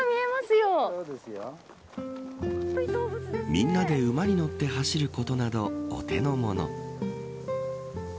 みんなで馬に乗って走ることなどお手のもの。